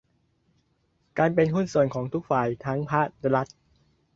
การเป็นหุ้นส่วนของทุกฝ่ายทั้งภาครัฐ